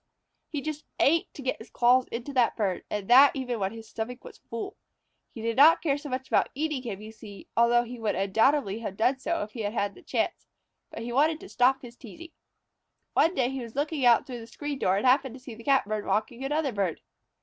He just ached to get his claws into that bird, and that even when his stomach was full. He did not care so much about eating him, you see, although he would undoubtedly have done so if he had had the chance, but he wanted to stop his teasing. One day he was looking out through a screen door and happened to see the Catbird mocking another bird.